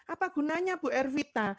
apa gunanya bu ervita